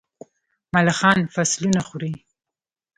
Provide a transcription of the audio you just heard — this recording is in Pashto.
ملخان فصلونه خوري.